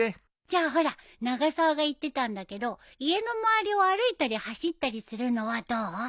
じゃあほら永沢が言ってたんだけど家の周りを歩いたり走ったりするのはどう？